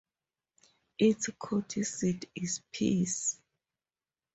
Its county seat is Pierce.